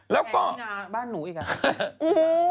แล้วก็แพงที่น้าบ้านหนูอีกครับ